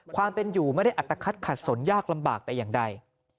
ความเป็นอยู่ไม่ได้อัตภัทขัดสนยากลำบากแต่อย่างใด